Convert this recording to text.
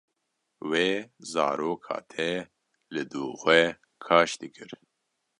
Wê zaroka te li du xwe kaş dikir.